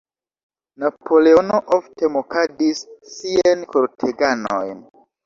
Napoleono ofte mokadis siajn korteganojn.